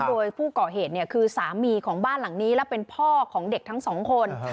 โดยผู้ก่อเหตุคือสามีของบ้านหลังนี้และเป็นพ่อของเด็กทั้งสองคน